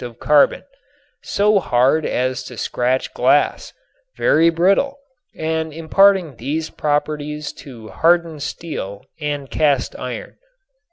of carbon, so hard as to scratch glass, very brittle, and imparting these properties to hardened steel and cast iron.